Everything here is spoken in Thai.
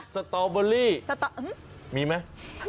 สตอเบอร์รี่มีมั้ย